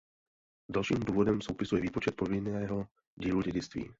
Dalším důvodem soupisu je výpočet povinného dílu dědictví.